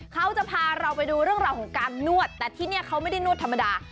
เขาจะพาเราไปดูเรื่องราวของการนวดแต่ที่นี่เขาไม่ได้นวดธรรมดา